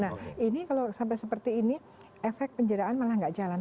nah ini kalau sampai seperti ini efek penjaraan malah nggak jalan